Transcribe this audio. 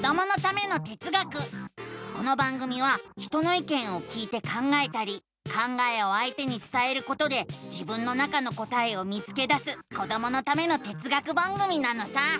この番組は人のいけんを聞いて考えたり考えをあいてにつたえることで自分の中の答えを見つけだすこどものための哲学番組なのさ！